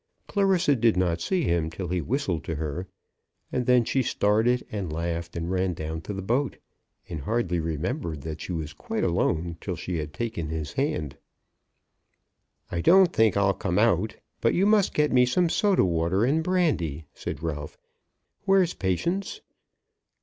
Clarissa did not see him till he whistled to her, and then she started, and laughed, and ran down to the boat, and hardly remembered that she was quite alone till she had taken his hand. "I don't think I'll come out, but you must get me some soda water and brandy," said Ralph. "Where's Patience?"